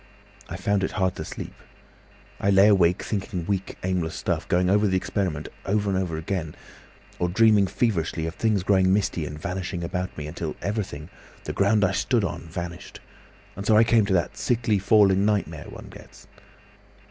I found it hard to sleep. I lay awake thinking weak aimless stuff, going over the experiment over and over again, or dreaming feverishly of things growing misty and vanishing about me, until everything, the ground I stood on, vanished, and so I came to that sickly falling nightmare one gets.